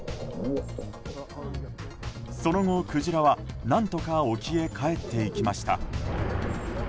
その後、クジラは何とか沖へ帰っていきました。